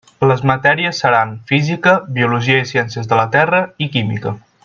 Les matèries seran Física, Biologia i Ciències de la Terra, i Química.